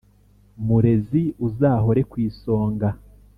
Murezi uzahore kw’isonga!